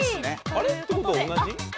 あれ？っていう事は同じ？